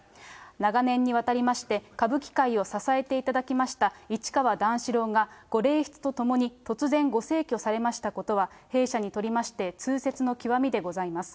長年にわたりまして、歌舞伎界を支えていただきました市川段四郎がご令室とともに突然、ご逝去されましたことは、弊社にとりまして、痛切の極みでございます。